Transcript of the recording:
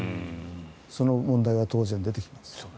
その問題は当然出てきます。